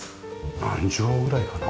何畳ぐらいかな？